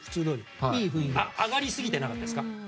上がりすぎてなかったですか。